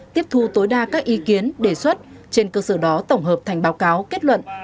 tiếp thu tối đa các ý kiến đề xuất trên cơ sở đó tổng hợp thành báo cáo kết luận